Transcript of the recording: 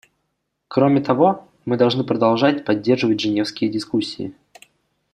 Кроме того, мы должны продолжать поддерживать женевские дискуссии.